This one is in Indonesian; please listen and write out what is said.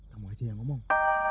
kamu aja yang ngomong